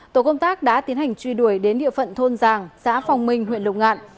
tổ công tác đã tiến hành truy đuổi đến địa phận thôn giàng xã phong minh huyện lục ngạn